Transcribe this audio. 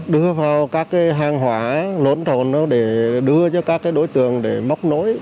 trong các hàng hỏa lốn rồn để đưa cho các đối tượng để móc nối